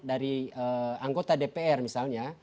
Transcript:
dari anggota dpr misalnya